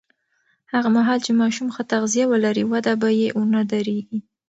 هغه مهال چې ماشوم ښه تغذیه ولري، وده به یې ونه درېږي.